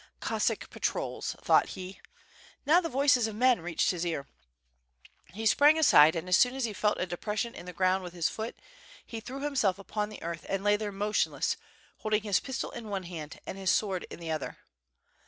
"Cossack patrols," thought he. Now the voices of men reached his ear. He sprang aside and as soon as he felt a depression in the ground with his foot, he threw him self upon the earth and lay there motionless, holding his pistol in one hand and his sword in the other.